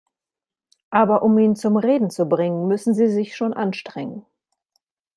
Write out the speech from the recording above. Aber um ihn zum Reden zu bringen, müssen Sie sich schon anstrengen.